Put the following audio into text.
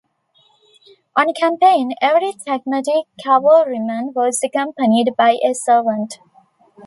On campaign, every tagmatic cavalryman was accompanied by a servant.